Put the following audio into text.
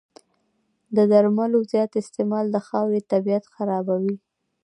د درملو زیات استعمال د خاورې طبعیت خرابوي.